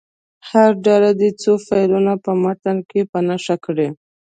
هره ډله دې څو فعلونه په متن کې په نښه کړي.